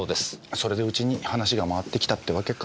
それでうちに話が回ってきたってわけか。